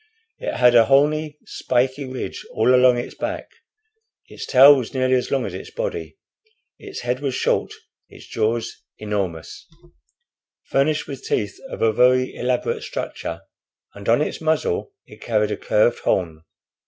It had a horny, spiky ridge all along its back. Its tail was nearly as long as its body. Its head was short, its jaws enormous, furnished with teeth of a very elaborate structure, and on its muzzle it carried a curved horn.